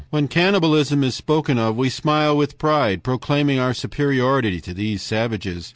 "When cannibalism is spoken of, we smile with pride, proclaiming our superiority to these savages.